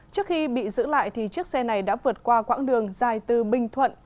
trước khi bị giữ lại thì chiếc xe này đã vượt qua quãng đường dài từ bình thuận